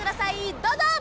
どうぞ！